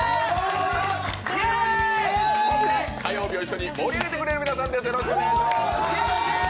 そして火曜日を一緒に盛り上げてくれる皆さんです。